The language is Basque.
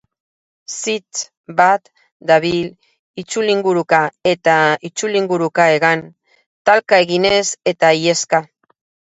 Sits bat dabil itzulinguruka eta itzulinguruka hegan, talka eginez eta iheska.